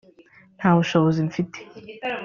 nta bushobozi mfite